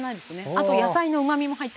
あと野菜のうまみも入ってます。